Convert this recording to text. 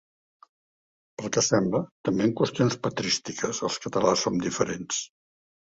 Pel que sembla també en qüestions patrístiques els catalans som diferents.